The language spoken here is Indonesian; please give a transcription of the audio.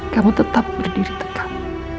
kamu tetap berdiri tegang